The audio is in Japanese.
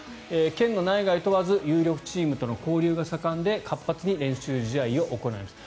県の内外問わず有力チームとの交流が盛んで活発に練習試合を行います。